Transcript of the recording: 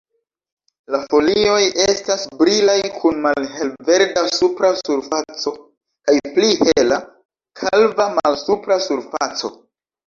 La folioj estas brilaj kun malhelverda supra surfaco kaj pli hela, kalva malsupra surfaco.